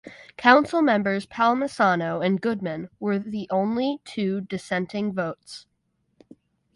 Council members Palmisano and Goodman were the only two dissenting votes.